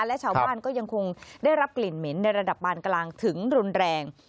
และชาวบ้านก็ยังคงได้รับกลิ่นเหม็นในระดับปานกลางถึงรุนแรง